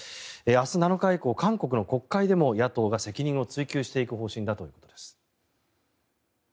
明日７日以降、韓国の国会でも野党が責任を追及していく方針だということです。